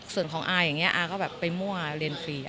ส่วนของอายังไงอาก็แบบไปมั่วเลียนฟรีเนี่ย